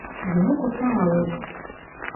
Bunu kutlamalıyız.